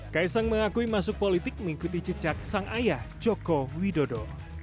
kaisang mengakui masuk politik mengikuti jejak sang ayah joko widodo